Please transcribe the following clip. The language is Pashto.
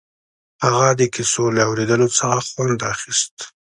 هغه د کيسو له اورېدو څخه خوند اخيست.